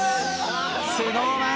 ＳｎｏｗＭａｎ